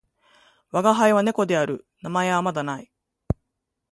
わがはいは猫である。名前はまだ無い。